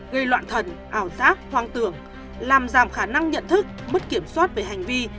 gây loạn thần ảo giác hoang tưởng làm giảm khả năng nhận thức mất kiểm soát về hành vi